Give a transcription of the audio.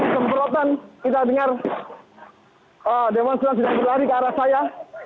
semprotan kita dengar demonstran sedang berlari ke arah saya